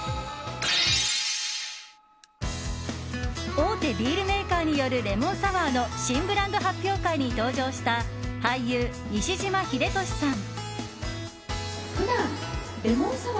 大手ビールメーカーによるレモンサワーの新ブランド発表会に登場した俳優・西島秀俊さん。